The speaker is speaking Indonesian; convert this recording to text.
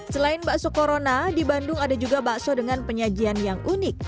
selain bakso corona di bandung ada juga bakso dengan penyajian yang unik